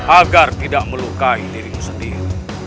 agar tidak melukai dirimu sendiri